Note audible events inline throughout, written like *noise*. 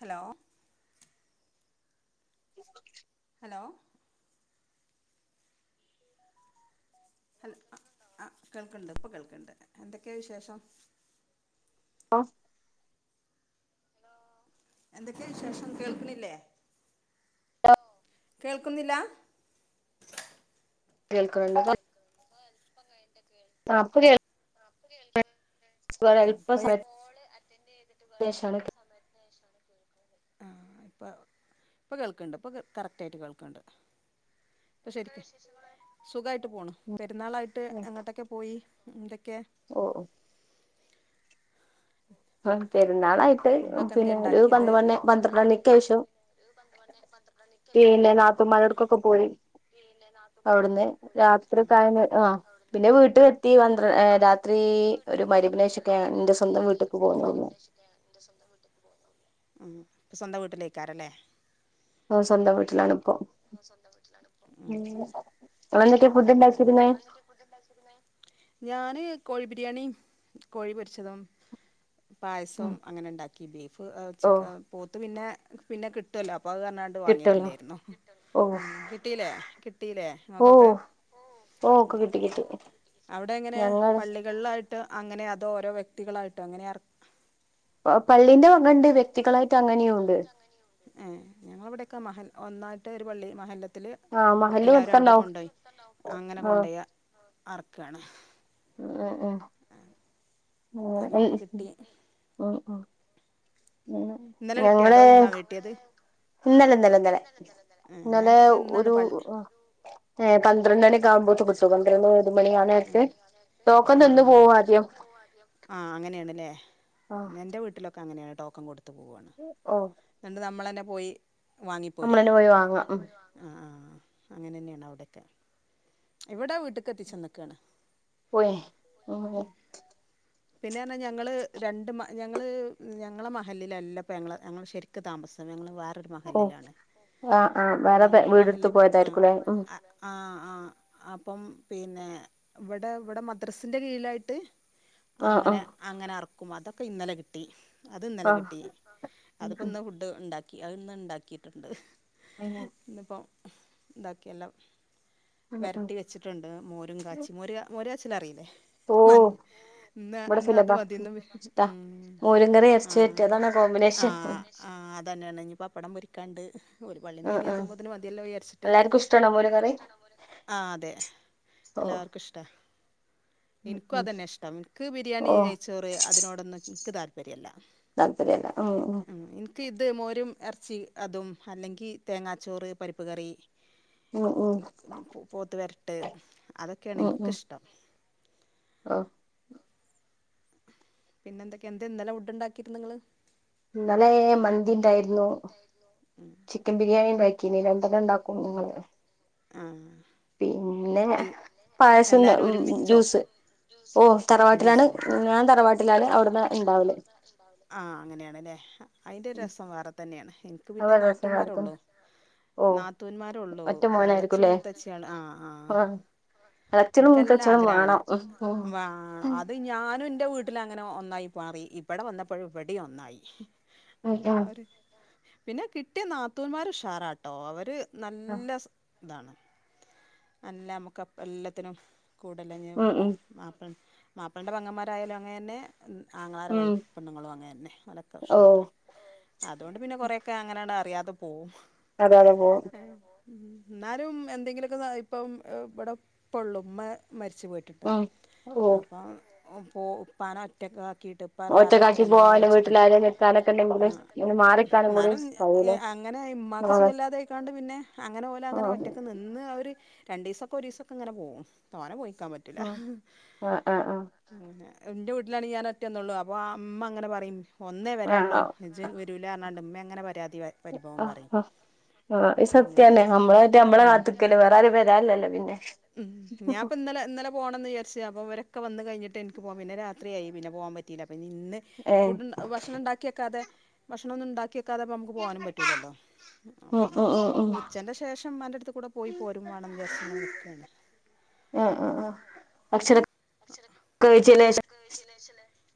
Hello *inaudible* hello hello ആഹ് കേൾക്ണ്ട് പ്പ കേൾക്ണ്ട് എന്തൊക്കെയാ വിശേഷം ആഹ് എന്തെക്കെ വിശേഷം കേൾക്ണില്ലേ കേൾക്കുന്നില്ല കെൾക്ക്‌ണ് ണ്ട് *unintelligible* ആഹ് അപ്പൊ കേൾക്ക പ്പ കേൾക്ണ് ണ്ട് അല്പ സമയത്തിന് കൊള് അറ്റൻഡയ്തിട്ട് വേറെ ശേഷാണ് അൽപ്പ സമയത്തിന് ശേഷം ആഹ് ഇപ്പ പ്പ കേൾക്ണ്ട് ഇപ്പ കറക്റ്റായിട്ട് കേൾക്ണ്ട് ഇപ്പ ശരിക് സുഖായിട്ട് പോണ് പെരുന്നാളായിട്ട് എങ്ങട്ടൊക്കെ പോയി ഇന്തൊക്കെ ഓഹ് ഓഹ് *inaudible* പെര്ന്നാളായിട്ട് ഫുഡൊക്കെ എന്തേ പിന്നെ ഒരു ഉണ്ടാക്കിയത് പന്ത് മണി പന്ത്രണ്ടണിക്ക് ശ്യം പന്ത് മണി പന്ത്രണ്ടണിക്ക്‌ പിന്നെ നാത്തുമാരോടക്കൊക്കെ പോയി അവിട്ന്ന് ആ രാത്രി ത്തായംക ആ പിന്നെ വീട്ട്ലെത്തി പന്ത്ര ഏ രാ ത്രി ഒര് മരിമ്പിനേശൊക്കെയാ ഇന്റെ സ്വന്തം വീട്ട്ക്ക് പോകും ഉം സ്വന്തം വീട്ടിലേക്കാരല്ലേ ഓഹ് സ്വന്തം വീട്ടിലാണിപ്പോ സ്വന്തം വീട്ട്ലാണിപ്പോ ഉം *unintelligible* ഞാന് കോഴി ബിരിയാണിം കോഴി പൊര്ച്ചതും പായസം അങ്ങനെ ഇണ്ടാക്കി ബീഫ് ഏഹ് ഓ ചിക്ക ഏഹ് പോത്ത് പിന്നെ പിന്നെ കിട്ടോല്ലോ അപ്പൊ അത് ട്ട് വാങ്ങിയിട്ട് കിട്ടല്ലോ ല്ലേയിരുന്നു ഓ ഉം കിട്ടീല്ലേ കിട്ടീല്ലേ ഓ ഇങ്ങക്കൊക്കെ ഓ ഒക്കെ കിട്ടി കിട്ടി അവ്ടെ എങ്ങനെ ഞങ്ങൾ പള്ളികളിലായി ട്ട് അങ്ങനെ അതോ ഓരോ വ്യക്തികളായിട്ട് അങ്ങനെ അർ പള്ളിന്റെ വക ഉണ്ട് വ്യക്തികളായിട്ട് അങ്ങനെയും ഉണ്ട് ഏഹ് ഞങ്ങളിവിടെയൊക്കെ മഹൽ ഒന്നായിട്ട് ഒരു പള്ളി മഹല്ലത്തില് ആഹ് മഹല്ല് എല്ലാവരും അവിടെ കൊടുത്തണ്ടാവും കൊണ്ടോയി അങ്ങനെ ആഹ് കൊണ്ടോയി അർക്കാണ് ഏഹ് അങ്ങനെ ഇപ്പോ ഏഹ് കിട്ടി *unintelligible* ഉം ഉം ഇന്നലെ കിട്ടിയോ ഞങ്ങള് അതോ ഇന്നാ കിട്ടിയത് ഇന്നലെ ഇന്നലെ ഇന്നലെ ആഹ് ഇന്നലെ ഞങ്ങക്കൊക്കെ ഇന്നാണ് ഒരു പ ഏഹ് പന്ത്രണ്ട് മണിയൊക്കെ ആകുമ്പോത്ത് പന്ത്രണ്ട് മണി കിട്ടും ഒക്കെ പന്ത്രണ്ട് ആകുമ്പോത്തിന് ഒരു മണി ആ പിന്ത്രണ്ടണി ഒരു നേരത്ത് മണി ആഹ് നേരത്ത്. ടോക്കൻ തന്ന് പോവും ആദ്യം ആഹ് അങ്ങനെയാണല്ലേ ആഹ് എന്റെ വീട്ടിലൊ അങ്ങനെയാണ് ടോക്കൺ കൊടുത്ത് പോവാണ് ഓഹ് ഇന്ന്ട്ട് നമ്മള് തന്നെ പോയി വാങ്ങിപ്പോരാ നമ്മളന്നെ പോയി വാങ്ങാം നമ്മളന്നെ ഉം പോയി വാ ആഹ് ആഹ് അങ്ങനെ തന്നെയാണ് അവിടൊക്കെ ഇവിടെ വീട്ട്ക്ക് എത്തിച്ചെന്നക്കാണ് പോയി ഉം പിന്നെ പറഞ്ഞാൽ ഞങ്ങള് രണ്ട് മ ഞങ്ങള് ഞങ്ങളെ മഹല്ലിലല്ലപ്പ ഞങ്ങള് ഞങ്ങള് ശരിക്ക് ക്ക് താമസം ഞങ്ങള് വേറൊരു ഓഹ് മഹല്ലിലാണ് ആഹ് ആഹ് അപ്പ വേറെ ഞങ്ങള വീടെടുത്ത് മഹല് ആഹ് പോയതായിരിക്കുംല്ലേ ഉം ആഹ് ആഹ് അപ്പം പിന്നെ ഇവിടെ ഇവിടെ മദ്രസിന്റെ കീഴിലായിട്ട് ആഹ് അങ്ങനെ ആഹ് അങ്ങനെ അറക്കും അതൊക്കെ ഇന്നലെ കിട്ടി അത് ഇന്നലെ ആഹ് കിട്ടി ഉം അതിപ്പോ ഉം ഇന്ന് ഫു ഡ് ഉണ്ടാക്കി അത് ഇന്ന് ഉണ്ടാക്കിയിട്ടുണ്ട് ഇന്നിപ്പം ഇതാക്കി എല്ലാം ഉം ഉം വെരട്ടി വെച്ചിട്ടുണ്ട് മോരും കാച്ചി മോര് മോര് കാച്ചല് അറിയില്ലേ ഓഹ് ഇവിടെ ഇന്ന് അത് സുലഭാ മതിന്ന് ഇഷ്ടാ ഉം മോരും കറി എറച്ചി വരട്ടി ആഹ് അതാണ് കോമ്പിനേഷൻ ആഹ് ഉം ആഹ് അതന്നെയാണ് ഇനി ആഹ് ആഹ് അതന്നെ പപ്പടം പൊരിക്കാണ്ട് ഓര് പള്ളിന്ന് ആഹ് ആഹ് ഇരിഞ്ഞത്തുമ്പോത്തന് മതിയല്ലാം വിജാരിച്ചിട്ട് എല്ലാർക്കും ഇഷ്ടാ എല്ലാർക്കും ഇഷ്ടാണോ മോരും കറി ആഹ് അതെ ഓ എല്ലാർക്കും ഇഷ്ടാ ഉം ഇന്ക്കും ഉം അതന്നെ ഇഷ്ടം ഇന്ക്ക് ബിരിയാണി ഓ നെയ്ച്ചോറ് അതിനോടൊന്നും ഇന്ക്ക് താല്പര്യല്ല താല്പര്യല്ല ഉം ഉം ഇന്ക് ഇത് മോരും ഇറച്ചി അതും അല്ലെങ്കിൽ തേങ്ങാച്ചോറ് പരിപ്പ് കറി ഉം ഉം പോത്ത് വരട്ട് അതൊക്കെയാണ് എന്ക്കിഷ്ടം ആഹ് പിന്നെന്തൊക്കെയ എന്തെ ഇന്നലെ ഫുഡ്‌ ഉണ്ടാക്കിയിരുന്നത് ഇങ്ങള് ഇന്നലെ മന്തിണ്ടായിരുന്നു ചിക്കൻ ബിരിയാണി ഉണ്ടായി ക്കിനി രണ്ടെണ്ണം ഉണ്ടാക്കും ഇങ്ങള് ആഹ് പിന്നെ എൽ പായസം ജ്യൂസ് ഓ ജ്യൂസ് തറവാട്ടിലാണ് ജ്യൂസ്‌ ലെ ഞാൻ തറവാട്ടിലാണ് ഞാൻ അവിടുന്ന് തറവാട്ടിലാണ് ഇണ്ടാവല് അവിടുന്ന് ഇണ്ടാവല് ആഹ് അങ്ങനെയണല്ലേ അതിൻ്റെ രസം വേറെ തന്നെയാണ് എനിക്ക് അവ പിന്നെ രസമാർക്കും നാത്തൂമാരുള്ളൂ ഓ നാത്തൂന്മാരുള്ളൂ ഒറ്റ ഇളച്ചി മോനായിരിക്കുംല്ലേ മൂത്തച്ചിയാള് ആഹ് ആഹ് ആ ഇളച്ചനും ഇന്ക്ക് നല്ല മൂത്തച്ഛനും ആഗ്രഹാണ് വേണം ഉം ഇല്ലച്ചിയളും ഉം മൂത്തച്ചിയാളും വാണം വാ അത് ഞാനും ഇന്റെ വീട്ടില് അങ്ങനെ ഒന്നായി മാറി ഇവിടെ വന്നപ്പോഴും ഇവിടെ ഒന്നായി ഉം ഉം ആര് പിന്നെ കിട്ടിയ നാത്തൂന്മാർ ഉഷാറാട്ടോ അവര് നല്ല സ് ഇതാണ് നല്ല നമുക്ക് അപ്പ എല്ലാത്തിനും കൂടല്ലഞ്ഞ് ഉം ഉം മാപ്പൾ മാപ്പള്ന്റെ പെങ്ങന്മാരായാലും അങ്ങനെന്നെ ആങ്ങളാര ഉം വൈഫ്‌ പെണ്ണ്ങ്ങളും അങ്ങനെന്നെ ഓലൊക്കെ ഓ ഉഷാറാ അതോണ്ട് പിന്നെ കൊറെയൊക്കെ അങ്ങനെണ്ട് അറിയാതെ പോവും അതെ അതെ പോവും ഏഹ് ഉം എന്നാലും എന്തെങ്കിലുക്കെ ഇപ്പം ഇവിടെ ഇപ്പൊള്ളു ഇമ്മ മരിച്ചു പോയി ട്ട്ട്ട് ഉം ഓ അപ്പം പോ ഇപ്പാനെ ഒറ്റക്കാകീട്ട് ഇപ്പറെ വെറെറ്റേ ഒറ്റക്കാക്കി കല്യാണം പോവാനും കഴിച്ചിട്ടു വീട്ടിലാരേം നിക്കാനൊക്കെ ഉണ്ടെങ്കില് ആഹ് ഒന്ന് മാറിക്കാനും കൂടി ഇന്നാലും കഴിയൂലെ അങ്ങനെ ഇമ്മാക്ക് ആഹ് സുഖല്ലാതെ അയ്ക്കാണ്ട് പിന്നെ അങ്ങനെ ഓല് അങ്ങനെ ഒറ്റക്ക് ആഹ് നി ഇന്ന് അവര് രണ്ടീസൊക്കെ ഒരീസൊക്കെ ഇങ്ങനെ പോകും തോനെ പോയിക്കാൻ പ റ്റുലാ ആഹ് ആഹ് അങ്ങനെ ഇന്റെ വീട്ടിലാണെങ്കി ഞാൻ ഒറ്റന്നൊള്ളൂ അപ്പൊ ഇമ്മ അങ്ങനെ പറിം ഒന്നേ വരാ ഒള്ളൂ ആഹ് ജ്ജ് വെരൂല പർഞ്ഞാണ്ട് ഇമ്മങ്ങനെ പരാതി പറിം അഹ് അഹ് ആഹ് സത്യന്നെ നമ്മളെട്ട് നമ്മളെ കാത്ത്ക്കല് ഞാപ്പം ഇന്നലെ ഇന്നലെ പോണംന്ന് ചാരിച്ച് അപ്പോ ഇവരോക്കെ വന്ന് കഴിഞ്ഞിട്ട് എനിക്ക് പോവാ പിന്നെ രാത്രിയായി പിന്നെ പോവാൻ പറ്റീല പിന്നെ ഇന്ന് ഏഹ് ഫുഡ് ഭക്ഷണം ഇണ്ടാക്കി വെക്കാതെ ഭക്ഷണം ഒന്നും ഇണ്ടാക്കി വെക്കാതെ അപ്പ നമുക്ക് പോകാനും പറ്റൂലല്ലോ ഉം അപ്പഞ് ഉം ഉം ഉം ഉച്ചൻ്റെ ശേഷം ഇമ്മാന്റെ അടുത്ത് കൂടി പോയി പോരും വേണം വിജാരിച്ച് ഇങ്ങനെ നിക്കാണ് അഹ് അഹ് ആഹ് ഭക്ഷണം കഴിച്ചേന് ശേഷം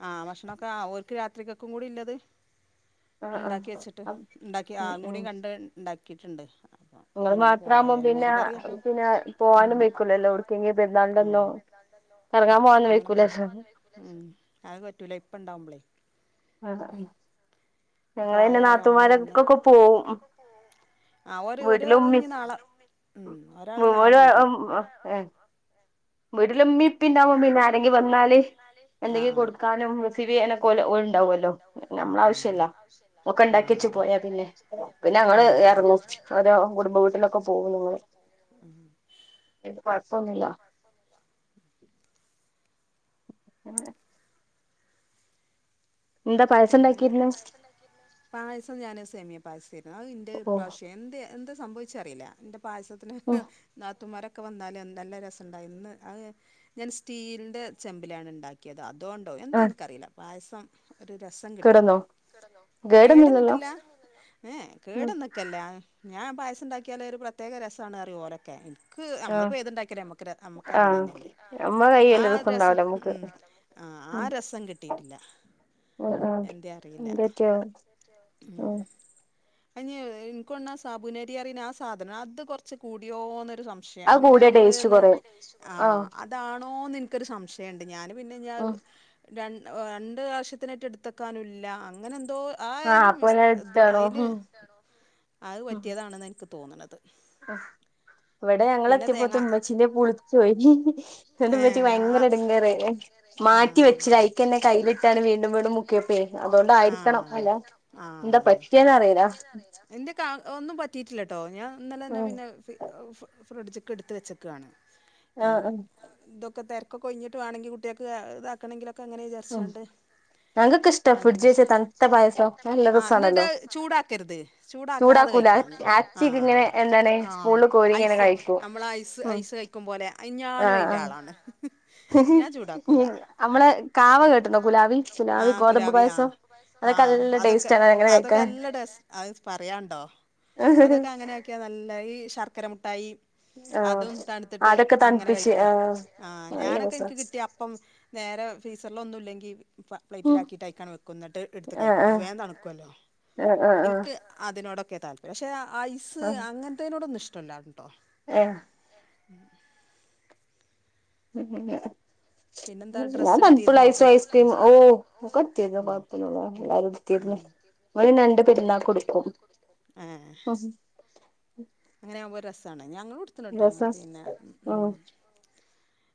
ആഹ് ഭക്ഷണൊക്കെ ഓൽക്ക് രാത്രിക്കൊക്കും കൂടി ഇല്ലത് ആഹ് ഇണ്ടാക്കിച്ചിട്ട് ആഹ് ഇണ്ടാക്കി ഉം ആഹ് ഉം കണ്ട് ഇണ്ടാക്കിട്ട്ണ്ട് ഇങ്ങള് അങ്ങനെ പോവാ മാത്രാവുമ്പോ പിന്നെ മോര് കറി പിന്നെ ഉം പോവാനും വെയ്ക്കൂലല്ലോ എവ്ട്ക്കെങ്കിലും ആഹ് പെരുന്നാളിന്റെന്നോ കറങ്ങാൻ പോവാനൊന്നും അങ്ങനെ വെയ്ക്കൂലല്ലോ പോവാൻ ഉം അത് പറ്റൂല ഇപ്പണ്ടാവുമ്പളെ ആഹാ ഞങ്ങള് പിന്നെ പ്രായായ ആളുവാണ് നാത്തുമാരോട്ക്കൊക്കെ പോവും ആ ഒരു വീട്ടില് ഒരാൾ ഉമ്മി ഇഞ്ഞി നാളെ ഉം ഒരാള് നാളെ വരും *unintelligible* വീട്ടില് ഉമ്മീം പ്പി ണ്ടാവുമ്പോ പിന്നെ ആരെങ്കി വന്നാല് ആ ആ എന്തെങ്കിലും കൊടുക്കാനും റിസീവ് ചെയാനെക്കെ ഓല് ഇണ്ടാവുല്ലോ? ഞമ്മളാവശ്യല്ല ആഹ് പിന്നെ ഞങ്ങള് ഉം എറങ്ങും ഓരോ കുടുംബ വീട്ടിലൊക്കെ ഉം ത് കൊഴപൊന്നുല്ല പിന്നെ രസണ്ടാക്കിയിരുന്നു പായസം ഞാന് സെമിയം പായസെരുന്നു അഹ് ഇന്റെത് ഓ ഇപ്രാവശ്യം എന്ത് എന്താ സംഭവിച്ചെ ച്ചറീല ഇന്റെ പായസത്തിന് ഉം നാത്തുമാര് ക്കെ വന്നാല് എന്തെല്ലാം രസണ്ടായിരിന്ന് ഇന്ന് അഹ് ഞാൻ സ്റ്റീലിന്റെ ചെമ്പിലാണ് ഇണ്ടാ കിയത അതുകൊണ്ടോ ആ എന്താ ഇൻക്കറീല പായസം ഒരു രസം കിട്ടീല കേടന്നോ കേടൊന്നുല്ലല്ലോ കേട്ന്നിട്ടില്ല ഏഹ് ഉം കേട്ന്ന് ക്കെല്ല ഞാൻ പായസം ഇണ്ടാക്കിയാല് ഒരു പ്രത്യേക രസാണ്റിയും ഓലൊക്കെ ക്ക് ആ നമ്മള് പ്പേത്ണ്ടാക്കിയാലും നമ്മക്ക് ആ അങ്ങനെന്നെല്ലേ നമ്മളെ കയ്യല്ല ആഹ് രസം രസണ്ടാവൂല നമ്മക്ക് ഉം ഉം ആഹ് രസം കിട്ടിട്ടില്ല. ആ ആ എന്തെ അറിയില്ല എന്താ പറ്റിയാവോ ആ ഉം അയ്ഞ് ഇൻക്കൊണ് സബുനരി പറിണെ ആ സാധനം അത് കോർച്ച് കൂടിയോ ന്നെരു സം പക്ഷെ അത് അങ്ങനെ കൂടിയ ആകുമ്പോ ടേസ്റ്റ് അതോന്ന് കൊറയും ആ ആഹ് അത് അതാണോന്ന് ഇൻക്കൊരു സംശയണ്ട് ഞാന് പിന്നെ ഇഞഹ് ഉം ര രണ്ട് പ്രാവിശ്യം ത്തിനായിട്ട് ഇട്ത്തക്കാനുല്ല അങ്ങനെ എന്തോ ആഹ് ആയ്ലും അപ്പൊ വിസ് ഞാൻ ഇത് എടുത്താണോ അയില് ഉം അഹ് പറ്റിയതാണെന്ന് എനിക്ക് തോന്ന്ണത് അഹ് ഇവടെ ഞങ്ങള് തേങ്ങ എത്തിയപ്പോത്തിന് ഇമ്മച്ചീന്റെ പുളിപ്പ് പോയി ഉമ്മച്ചിക് ഭയങ്കര എടുങേറായി മാറ്റി വെച്ചില ഐക്കന്നെ കയ്ലിട്ടാണ് വീ ആഹ് അല്ല എന്താ ആഹ് പറ്റിയേന്ന് അറിയില്ല എന്റെ ക ഒന്നും പറ്റിയിട്ടില്ലട്ടോ ഞാൻ ഇന്നലെന്നെ ഉം പിന്നെ ഫി ഫ്രി ഫ്രിഡ്ജ്ക്ക് ഇട്ത്ത് വെച്ചക്കാണ് ആഹ് ഇന്ന് ആഹ് ഇതൊക്കെ തിരക്കൊകെ ഒഴിഞ്ഞിട്ട് വേണെങ്കിൽ കുട്ടികൾക്ക് ഇതാക്കണെങ്കിലൊക്കെ അങ്ങനെ ഉം വിജാരിച്ചാണ്ട് ഞങ്ങക്കൊക്കെ ഇഷ്ടാ അങ്ങനെ ഫ്രിഡ്ജ് വെച്ച തണുത്ത പായസം നല്ല ആഹ് എന്നിട്ട് രസാണല്ലോ ചൂടാക്കരുത് ചൂടാക്കാതെ ചൂടാക്കൂല കഴിക്കണം ആച്ചിക്ക് ആഹ് ഇങ്ങനെ എന്താണ് ആഹ് സ്പൂണില് കോരി ഇങ്ങനെ ഐസ് കഴിക്കും നമ്മള ഐസ് ഉം ഐസ് കഴി ക്കും പോലെ ഞാനും ആഹ് അയ്ൻ്റെ ആഹ് ആളാണ് ഞാൻ ചൂടാക്കുല അമ്മളെ കാവ കേട്ട്ണോ കുലാബി ആഹ് കുലാവി ആഹ് ആഹ് നല്ല അതൊക്കെ ടേസ്റ്റ് ആണ് അങ്ങനെ അതൊക്കെ കഴിക്കാൻ നല്ല ടെസ്റ്റ് അത് പറയാണ്ടോ അതൊക്കെ ആഹ് അങ്ങനെ ആക്കിയാ നല്ല ഈ ശർക്കര മുട്ടായി അതും തണ് ത്ത്ട്ട് അതൊക്കെ അങ്ങനെ തണുപ്പിച്ച് കഴിക്ക ആഹ് ആഹ് നല്ല ഞാനൊക്കെ രസാ ഇൻക്ക് കിട്ടിയാ ഇപ്പം നേരെ ഫീസർല് ഒന്നും ഇല്ലെങ്കി പ്ലേറ്റിലാക്കിയിട്ട് അയിക്കാൻ വെക്കും എന്ന്ട്ട് എടുത്ത് ആഹ് കഴിക്കും അപ്പോ ആഹ് വേം തണുക്കല്ലോ ആഹ് ആഹ് ഇൻക്ക് അതിനോടൊക്കെ താല്പര്യം പക്ഷെ ഐസ് ആഹ് അങ്ങൻ ത്തെനോടൊന്നും ഇഷ്ടല്ലാ ട്ടോ ഏഹ് ഉം *unintelligible* *unintelligible* *inaudible* ഞാൻ ഡ്രസ്സ് തൺപ്പ്ള്ള എടുത്തിരുന്നോ ഐസ് ഏ ഐസക്രീം ഔ ഒക്ക എടുത്തിരുന് പാകത്തിന് എല്ലാരും എട് ത്തീര്ന്ന് ഇവളും ഞാനും രണ്ട് പെരുന്നാക്കും എടുത്ത് ണ് അങ്ങനെ ആവുമ്പോ രസാണ് ഞങ്ങളും എടുത്ത് ന്ട്ടോ രസാ പിന്ന മ്മ് ഉം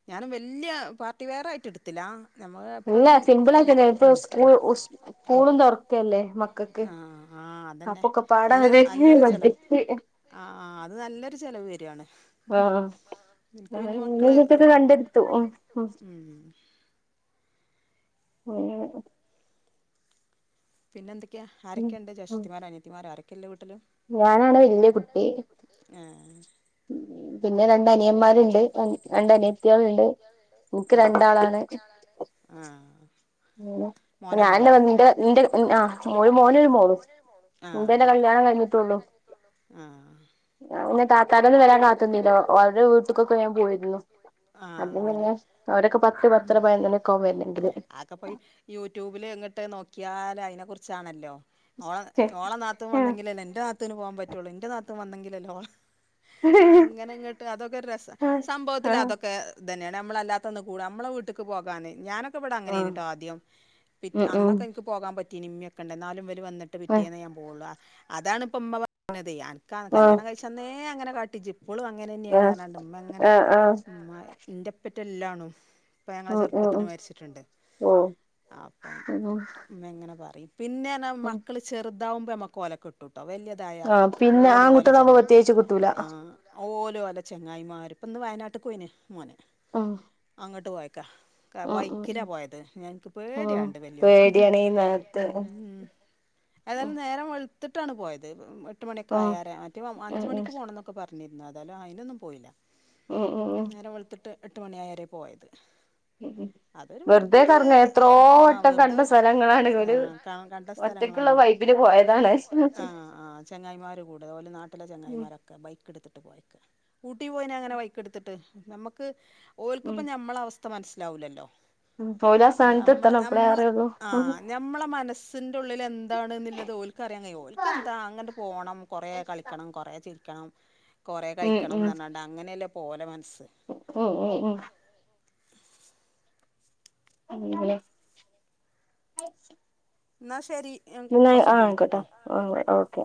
ഞാനും വെല്യ പാർട്ടി വെയർ ആയിട്ട് എടുത്തില നമ്മൾ ഇല്ല എപ്പളും സിമ്പിൾ ആക്കന്നെ മ്മ് ഇപ്പൊ മ്മ് സ്കൂൾ സ്കൂളും തുറക്കല്ലേ മക്കൾക്ക് ആഹ് ആഹ് അതന്നെ അപ്പൊക്കെ പാടെ നല്ലരു ഒരു അല്ലൊരു ചെലവാ ബഡ്ജറ്റ് ആഹ് അത് നല്ലൊരു ചെലവ് വരാണ് ആഹ് നിനക്ക് പിന്ന മക്കള് യൂട്യൂബിലൊക്കെ കണ്ടെടുത്തു ഉം മ്മ് അങ്ങന പിന്നെ എന്തൊക്യാ ഉം ആരൊക്കെയുണ്ട് ഉം ജേഷ്ഠത്തിൻമാരോ അനിയത്തിൻമാരോ അനിയത്തിമാരോ ആരോക്കെയള്ളെ വീട്ടില് ഞാനാണ് വല്യ ഞാനാണ് വെല്യാ കുട്ടി ആഹ് പിന്ന രണ്ട് അനിയന്മാര് ണ്ട് രണ്ട് അനിയത്തിയാള് ണ്ട് ഇൻക്ക് രണ്ടാളാണ് ആഹ് അങ്ങനെ മോനോ ഞാൻ ന്നെ മോളോ പറഞ് ന്റെ ന്റെ ആഹ് മോളും മോന് ഒരു മോളൂസ് ന്റെ ന്നെ ആഹ് ആഹ് കല്യാണം കഴിഞ്ഞിട്ടോള്ളു ആഹ് ഞാൻ പിന്നെ താത്താടെ ഒന്നും വരാൻ കാത്ത് നീല്ല അവര് ടെ വീട്ട്ക്കൊക്കെ ഞാൻ പോയിരുന്നു ആഹ് അപ്പൊ പിന്നെ അങ്ങനെ അവരോക്കപത്ത് പത്തര പയനന്നോണി ക്കാവും വരണങ്കില് ഒക്കപ്പോയി യൂട്യൂബില് എങ്ങട്ടേ നോക്കിയാൽ അയിനെ കുറിച്ചാണല്ലോ ഓള ഓള നാത്തൂൻ വന്നെങ്കിലല്ലേ ഇന്റെ നാത്തൂൻ പോവാൻ പറ്റുള്ളൂ ഇന്റെ നാത്തൂൻ വന്നെങ്കിലല്ലേ ഓള അങ്ങനെ ഇങ്ങട്ട് അതൊക്കരു രസാ സംഭവത്തില് ആഹ് അതൊക്കെ ഇതന്നെണ് നമ്മള അല്ലാത്ത ഒന്ന് കൂട മ്മളെ വീട്ട് ക്ക് പോകാന് ഞാനൊ ഇക്ക് ഇബ്ട അങ്ങനെയിനി ട്ടോ ആദ്യം പിറ്റ് ഉം ഉം അന്നൊക്കെ ഇൻക്ക് പോകാൻ പറ്റീനി ഇമ്മിയൊ ക്കണ്ട എന്നാലും വല് വന്നിട്ട് ആഹ് പിറ്റിയെന്നെ ഞാൻ പോഒള്ളൂ അതാണ് ഇപ്പ മ്മ പറഞ്ഞതെ അനക്ക് ആഹ് കല്യാണം കഴിച്ചന്നേ അങ്ങനെ കാട്ടിഇജ്ജ് ഇപ്പളും അങ്ങനെ ന്നെയാണ് കാണ്ട് മ്മ ഇങ്ങനെ ആഹ് ആഹ് ൻ്റെപ്പറ്റാ ഇല്ലാണും ഉപ്പ ഞങ്ങളെ ഉം ചെറുപ്പത്തിൽ ഉം മരിച്ചിട്ട്ണ്ട് ഓ അപ്പം ഉം മ്മ ഇങ്ങനെ പറയും പിന്നെ അങ്ങനെ ഉം മക്കള് ചെറുതാവുമ്പോ നമ്മക്ക് ഓല കിട്ടൂട്ടോ വലിയതായാ ആ പിന്നെ ഓല് ഓലെ ആൺകുട്ടികളാകുമ്പോ ചങ്ങ പ്രത്യേകിച്ച് കിട്ടൂല ആഹ് ഓല് ഒലെ ചെങ്ങായിമാരും പ്പ ഇന്ന് വയനാട്ട് ക്ക് പോയിന് മോന് ആഹ് അങ്ങട്ട് പോയെക്കാ ബൈക്കിലാ പോയത് ഞ ഇൻക് ഉം ഉം പേടിയാണ്ട് വല്യോ പേടിയാണ് ഈ നേരത്ത് ഉം മ്മ് ഉം ഏതായാലും നേരം വെളുത്തിട്ടാണ് പോയത് എട്ട് മണിയൊക്കെ ഉം ആയരെ മറ്റെ അഞ്ച് മണി ഉം നോക്കെ പറഞ്ഞിരുന്നു അതാലു അയിനൊന്നും പോയില്ല ഉം ഉം നേരം വെൾത്തിട്ട് എട്ട് മണിആയരെ പോയത് ഉം ഉം അതൊരു വെറുതൊരു ആഹ് കണ്ട വെറുതരു സ്ഥലങ്ങളാണ് ഒരു ആ കണ്ട ഒറ്റക്കുള്ള സ്ഥലങ്ങളാണ് വൈബിന് പോയതാണ് ആഹ്ആഹ് ചെങ്ങായിമാര് കൂടെ ഓലെ നാട്ടിലെ ഉം ചെങ്ങായിമാര ബൈക്ക് എടുത്തിട്ട് പോയക്ക ഊട്ടി പോയിന അങ്ങനെ ബൈക്ക് ടുത്തിട്ട് നമ്മക്ക് ഓൽക്ക് ഉം പ്പം ന മ്മള അവസ്ഥ മനസ്സിലാവൂലല്ലോ ഉം ഓല് ആ സ്ഥാനത്ത് മ്മള എത്തണം അപ്പളേ അമ്മള അറിയുള്ളൂ ആ ഉം ഞമ്മളെ മനസ് ന്റെ ഉള്ളിൽ എന്താണ് ന്നുള്ളത് ഓൽക്കറിയാൻ കയ്യോ ഓൽക്ക് എന്താ അങ്ങട്ട് പോണം കൊറേ കളിക്കണം കൊറെ ചിരി ക്കണം കൊറെ ഉം കഴിക്കണം ന്ന് റ്ഞ്ഞാണ്ട് അങ്ങനെയല്ലേ പ്പം ഓലെ മനസ്സ് ഉ ഉം ഉം ഉം അങ്ങനെ ന്നാ ശരി എന്നാ ആ കൊറച്ചയ്ഞ്ഞിട്ട് ആയിക്കോട്ടെ വിളിക്കട്ടോ ഓക്കെ